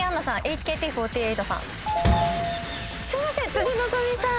辻希美さん